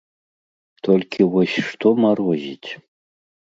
Толькі вось што марозіць?